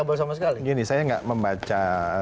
gak boleh sama sekali gini saya gak membaca